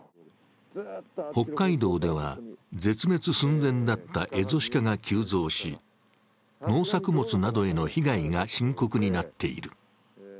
北海道では絶滅寸前だったエゾシカが急増し農作物などへの被害が深刻になっている。